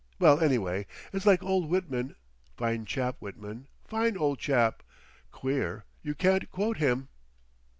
Well, anyway it's like old Whitman. Fine chap, Whitman! Fine old chap! Queer, you can't quote him.